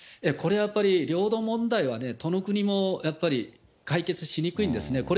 これはやっぱり領土問題はね、どの国もやっぱり、解決しにくいんですね。